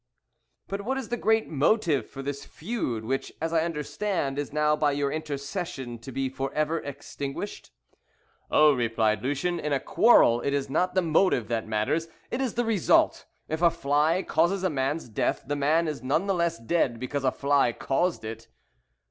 "But what is the great motive for this feud, which, as I understand, is now by your intercession to be for ever extinguished?" "Oh," replied Lucien, "in a quarrel it is not the motive that matters, it is the result. If a fly causes a man's death the man is none the less dead because a fly caused it."